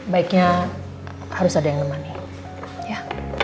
baiknya harus ada yang nemani